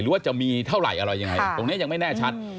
ว่าจะมีเท่าไหร่อะไรยังไงตรงนี้ยังไม่แน่ชัด